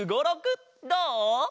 どう？